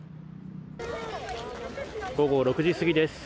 午後６時過ぎです。